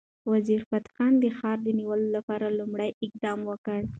وزیرفتح خان د ښار د نیولو لپاره لومړی اقدام وکړ.